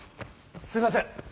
すいません！